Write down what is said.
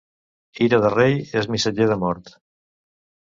Ira de rei és missatger de mort.